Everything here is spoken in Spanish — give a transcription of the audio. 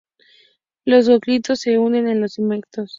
Los gloquidios se hunden en los segmentos.